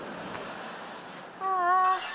ああ。